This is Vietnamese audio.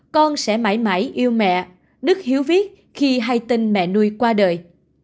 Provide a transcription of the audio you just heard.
con sẽ mãi mãi yêu mẹ đức hiếu viết khi hay tin mẹ nuôi qua đời